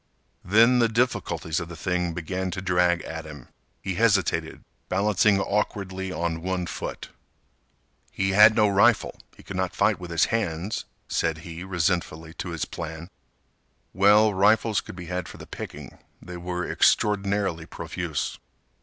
Then the difficulties of the thing began to drag at him. He hesitated, balancing awkwardly on one foot. He had no rifle; he could not fight with his hands, said he resentfully to his plan. Well, rifles could be had for the picking. They were extraordinarily profuse.